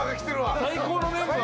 最高のメンバー。